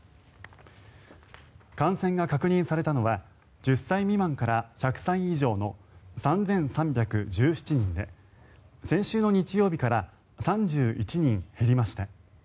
感染が確認されたのは１０歳未満から１００歳以上の３３１７人で先週の日曜日から３１人減りました。